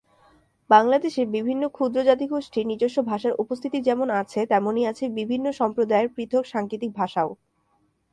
বাংলাদেশের বিভিন্ন ক্ষুদ্র জাতিগোষ্ঠীর নিজস্ব ভাষার উপস্থিতি যেমন আছে তেমনি আছে বিভিন্ন সম্প্রদায়ের পৃথক সাংকেতিক ভাষাও।